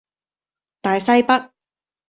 大西北